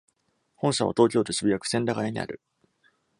本社は東京都渋谷区千駄ヶ谷にある。